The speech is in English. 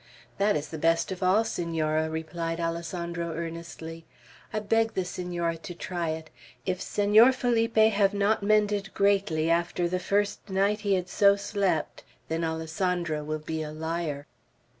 "That is the best of all, Senora," replied Alessandro, earnestly. "I beg the Senora to try it. If Senor Felipe have not mended greatly after the first night he had so slept, then Alessandro will be a liar."